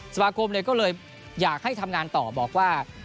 สมาคมก็เลยอยากให้ทำงานต่อบอกว่า